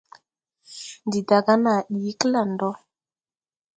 Ndi daaga naa ɗii klaŋdɔ.